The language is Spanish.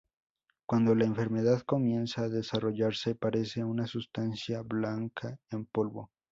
Cuando la enfermedad comienza a desarrollarse, parece una sustancia blanca en polvo.